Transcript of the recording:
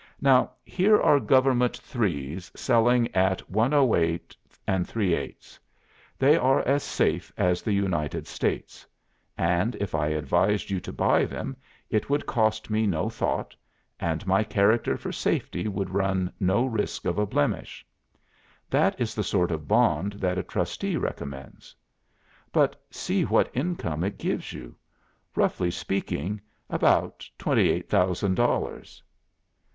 'Now here are Government three's selling at 108 3 8. They are as safe as the United States; and if I advised you to buy them, it would cost me no thought, and my character for safety would run no risk of a blemish. That is the sort of bond that a trustee recommends. But see what income it gives you. Roughly speaking, about twenty eight thousand dollars.